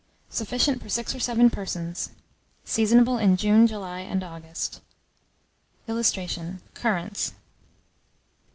Sufficient for 6 or 7 persons. Seasonable in June, July, and August. [Illustration: CURRANTS.